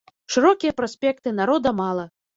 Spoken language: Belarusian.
Шырокія праспекты, народа мала.